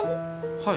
はい。